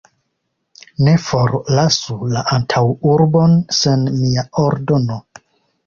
Ne forlasu la antaŭurbon sen mia ordono!